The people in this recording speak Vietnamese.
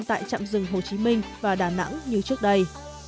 tại trạm rừng hồ chí minh và đà nẵng như trước đây